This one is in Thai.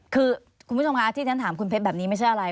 คือคุณผู้ชมคะที่ฉันถามคุณเพชรแบบนี้ไม่ใช่อะไร